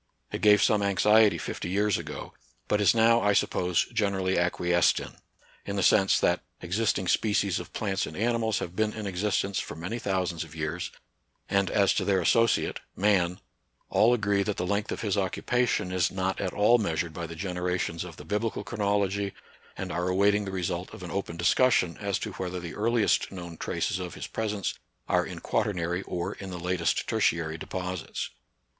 It gave some anxiety fifty years ago ; but is now, I suppose, generally acquiesced in, — in the sense that existing species of plants and animals have been in existence for many thou sands of years ; and, as to their associate, man, all agree that the length of his occupation is not at all measured by the generations of the bibli cal chronology, and are awaiting the result of an open discussion as to whether the earliest known traces of his presence are in quaternary or in the latest tertiary deposits.